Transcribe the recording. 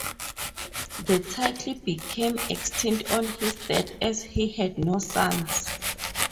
The title became extinct on his death as he had no sons.